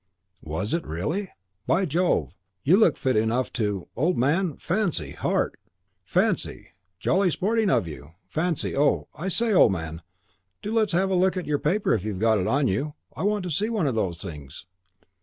"Was it, really? By Jove, and you look fit enough, too, old man. Fancy, heart! Fancy Jolly sporting of you. Fancy Oh, I say, old man, do let's have a look at your paper if you've got it on you. I want to see one of those things."